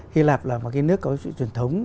hy lạp là một nước có truyền thống